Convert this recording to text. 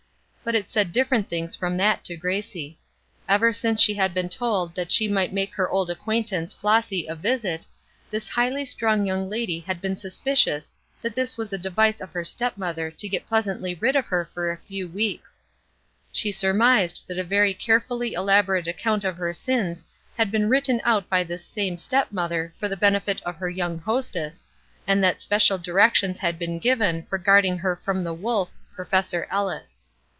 But it said different things from that to Gracie. Ever since she had been told that she might make her old acquaintance, Flossy, a visit, this highly strung young lady had been suspicious that this was a device of her stepmother to get pleasantly rid of her for a few weeks. She surmised that a very carefully elaborate account of her sins had been written out by this same stepmother for the benefit of her young hostess, and that special directions had been given for guarding her from the wolf, Professor Ellis.